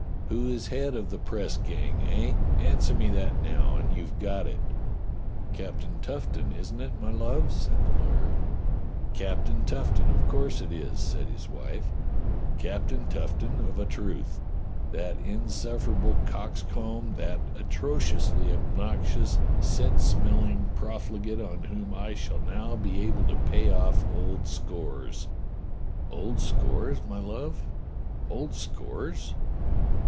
^Mio is head of the press gang, eh.^ Answer me that now, and you've got it." " Captain Tuff ton, isn't it, my love.^ " said the lawyer. "Captain Tuffton, of course it is," said his wife. "Captain Tuffton of a truth. That insufferable cox comb, that atrociously obnoxious scent smelling prof ligate on whom I shall now be able to pay off old scores." '* Old scores, my love ? Old scores